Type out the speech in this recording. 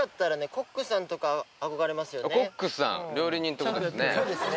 コックさん料理人ってことですよね